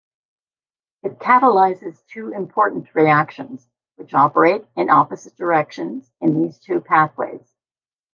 It catalyzes two important reactions, which operate in opposite directions in these two pathways.